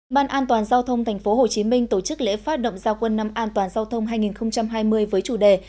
ban an toàn giao thông tp hcm tổ chức lễ phát động giao quân năm an toàn giao thông hai nghìn hai mươi với chủ đề